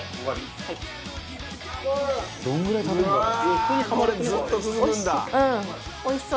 「どのぐらい食べるんだろう？」